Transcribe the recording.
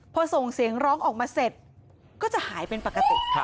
พอส่งเสียงร้องออกมาเสร็จก็จะหายเป็นปกติ